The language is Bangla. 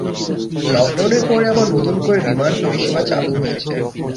লকডাউনের পরে আবার নতুন করে বিমান পরিষেবা চালু হয়েছে।